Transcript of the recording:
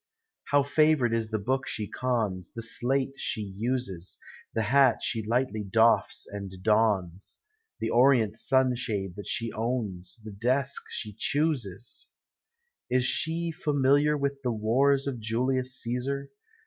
How favored is the book she cons, The slate she uses, The hat she lightly dotl's and dons. The orient sunshade that she owns, The desk she chooses ! Digitized by Google 1'OKMS OF HOME. Is she fa miliar with the wars Of Julius Ca'sar?